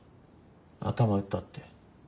頭打ったって。